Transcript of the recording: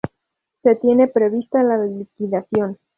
Se tiene prevista la liquidación.